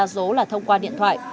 số là thông qua điện thoại